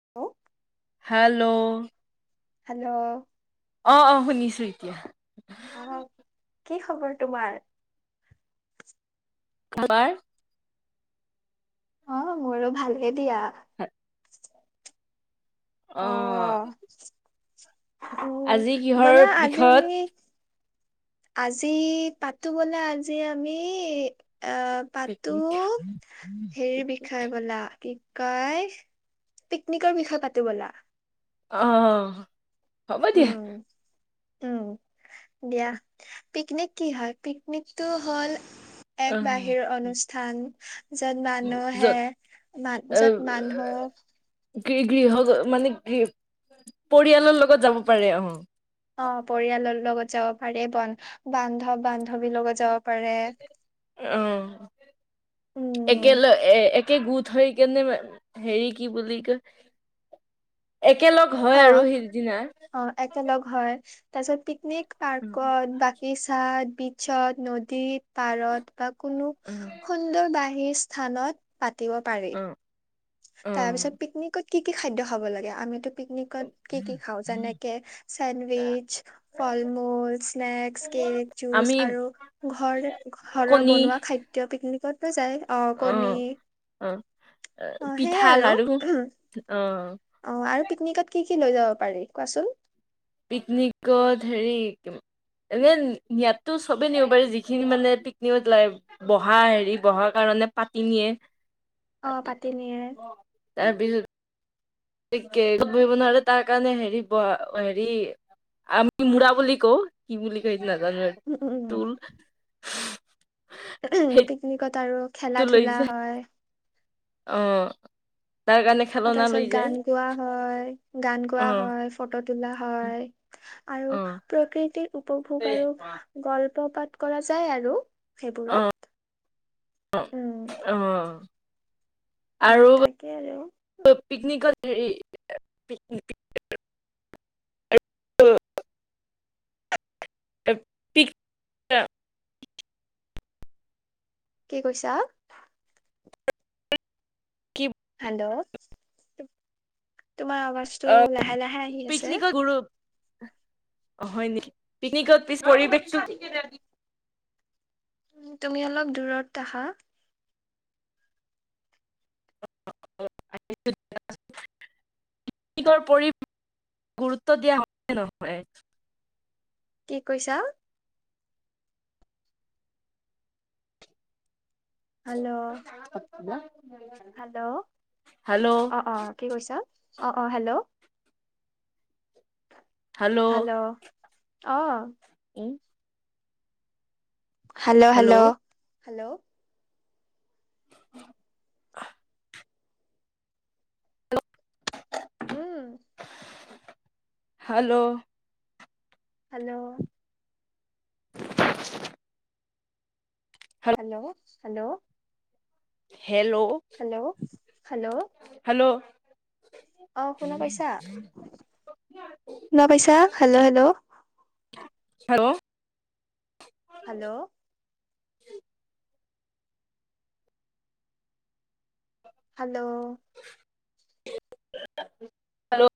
[unintelligible] Hello! Hello! অ অ, শুনিছো এতিয়া। অ, কি খবৰ তোমাৰ? [unintelligible] অ, মোৰো ভালে দিয়া। [unintelligible] অ। উম। আজি কিহৰ বলা, আজি বিষয়ত আমি আজি পাতো বলা। আজি আমি আহ পাতো, হেৰি বিষয়ে বলা। কি কাই পিকনিকৰ বিষয়ে পাতো ব'লা। অ, হ'ব দিয়া। উম উম, দিয়া। পিকনিক কি হয়? পিকনিকটো হ'ল অ এক বাহিৰ অনুষ্ঠান। য'ত মানুহে য'ত মান য'ত মানুহ গৃ গৃহ গ মানে গৃ পৰিয়ালৰ লগত যাব পাৰে, অ। অ, পৰিয়ালৰ লগত যাব পাৰে। বন বান্ধৱ বান্ধৱীৰ লগত যাব পাৰে। অ। উম একেল একে গোট হৈ কেনে, হেৰি কি বুলি কয়? [inaudible] একেলগ হয় অ আৰু সিদিনা। অ, একেলগ হয়। তাৰ পিছত পিকনিক উম পাৰ্কত বা ইচাদ বিচত নদীত পাৰত বা কোনো উম। সুন্দৰ বাহিৰ স্থানত পাতিব পাৰে। [unintelligible] উম তাৰপিছত পিকনিকত কি কি খাদ্য খাব লাগে? আমিতো পিকনিকত কি কি খাওঁ? যেনেকে চেণ্ডউইচ, ফল মূল, স্নেক্স, কেক, জুচ আমি আৰু ঘৰৰে ঘৰৰ কণী বনোৱা খাদ্য পিকনিকত লৈ যায়, অ। কণী। অ, অ সেইয়াই পিঠা আৰু লাৰু। অ। অ। আৰু পিকনিকত কি কি লৈ যাব পাৰি কোৱাচোন? পিকনিকত হেৰি এনে নিয়াততো সবেই নিব পাৰি যিখিনি মানে পিকনিকত লা বহা হেৰি বহা কাৰণে পাটি নিয়ে। অ, পাটি নিয়ে। তাৰ পিছত সি কেবট বহিব নোৱাৰে তাৰ কাৰণে হেৰি ব হেৰি আমি মুৰা বুলি কওঁ কি বুলি কয় সেইটো নাজানো আৰু উম টুল পিকনিকত আৰু খেলা সেইটো লৈ ধূলা যায় হয়। অ তাৰ কাৰণে, অ তাৰ খেলনা লৈ পিছত যায় গান গোৱা হয়, গান গোৱা অ হয়, ফটো তোলা হয়, অ আৰু প্ৰকৃতিৰ উপভোগ আৰু গল্প পাঠ কৰা যায় আৰু অ সেইবোৰত, উম। অঁ। উম তাকে আৰু। পিকনিকত হেৰি [unintelligible] [unintelligible] এ পিক [unintelligible] কি কৈছা? কি? হেল্লো' তোমাৰ আৱাজটো লাহে লাহে আহি আছে। পিকনিকত গুৰু অ হয় নেকি, পিকনিকত পিছ পৰিৱেশটো কি? উম, তুমি অলপ দূৰত আহা, [unintelligible] পিকনিকৰ পৰিৱেশ গুৰুত্ব দিয়া হয় নহয়? কি কৈছা? হেল্লো [unintelligible] হেল্লো, হেল্ল' অ অ কি কৈছা? অ অ হেল্লো হেল্ল' হেল্লো, অ। ওম হেল্লো' হেল্লো হেল্ল' ' হেল্লো। [unintelligible] উম। Hello, hello. [unintelligible] Hello hello. Hello. Hello hello. Hello. [unintelligible] অ শুনা পাইছা, শুনা পাইছা? Hello hello. Hello. Hello. Hello. [unintelligible] Hello.